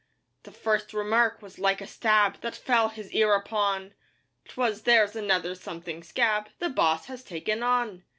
The first remark was like a stab That fell his ear upon, 'Twas 'There's another something scab 'The boss has taken on!